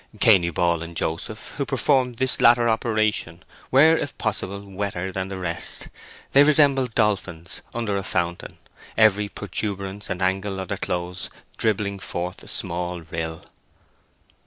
Cainy Ball and Joseph, who performed this latter operation, were if possible wetter than the rest; they resembled dolphins under a fountain, every protuberance and angle of their clothes dribbling forth a small rill.